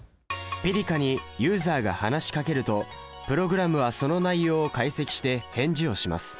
「−ｐｉｒｋａ−」にユーザーが話しかけるとプログラムはその内容を解析して返事をします。